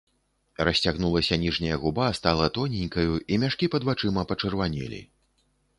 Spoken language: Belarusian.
Расцягнулася ніжняя губа, стала тоненькаю, і мяшкі пад вачыма пачырванелі.